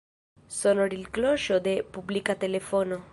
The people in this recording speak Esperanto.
Sonoril-kloŝo de publika telefono.